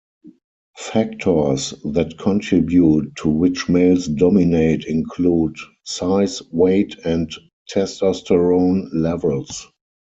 Factors that contribute to which males dominate include size, weight, and testosterone levels.